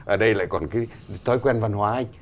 ở đây lại còn cái thói quen văn hóa anh